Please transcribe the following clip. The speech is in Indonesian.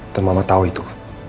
dan mama tahu itu